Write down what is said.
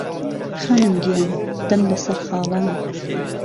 خانم گیان دهم له سهر خاڵان